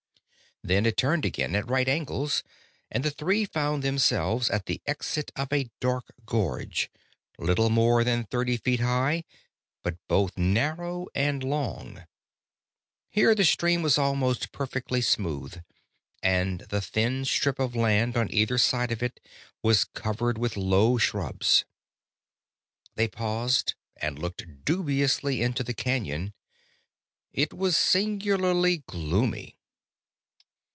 Then it turned again, at right angles, and the three found themselves at the exit of a dark gorge, little more than thirty feet high, but both narrow and long. Here the stream was almost perfectly smooth, and the thin strip of land on each side of it was covered with low shrubs. They paused and looked dubiously into the canyon. It was singularly gloomy.